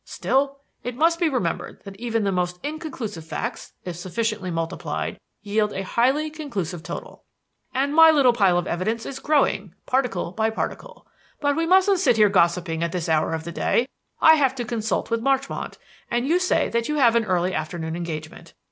Still, it must be remembered that even the most inconclusive facts, if sufficiently multiplied, yield a highly conclusive total. And my little pile of evidence is growing, particle by particle; but we mustn't sit here gossiping at this hour of the day; I have to consult with Marchmont and you say that you have an early afternoon engagement.